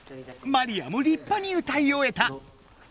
マリアもりっぱに歌いおえた！